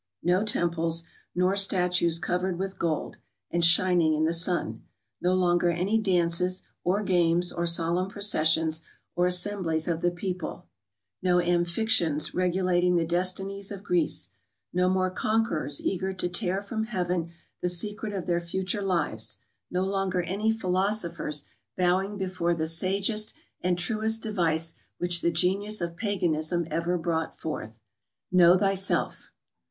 No temples nor statues covered with gold, and shining in the sun; no longer any dances, or games, or solemn processions, or assemblies of the people; no Amphyctions regulating the destinies of Grreece; no more conquerors eager to tear from PARNASSUS. 167 heaven the secret of their future lives ; no longer any philosophers bowing before the sagest and truest device which the genius of Paganism ever brought forth :" Know thyself."